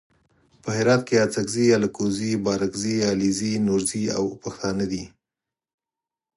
په هرات کې اڅګزي الکوزي بارګزي علیزي نورزي او پښتانه دي.